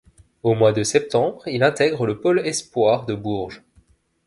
Au mois de septembre, il intègre le Pôle Espoir de Bourges.